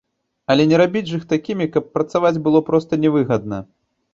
Але не рабіць ж іх такімі, каб працаваць было проста не выгадна!